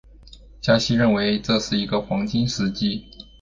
加西认为这是个黄金时机。